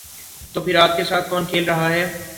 تو پھر آگ کے ساتھ کون کھیل رہا ہے؟